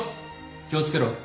気をつけろ。